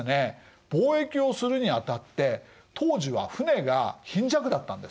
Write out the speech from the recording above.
貿易をするにあたって当時は船が貧弱だったんです。